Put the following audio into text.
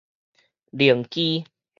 靈機